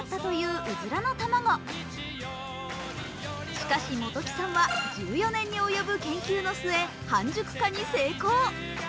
しかし、本木さんは１４年に及ぶ研究の末、半熟化に成功。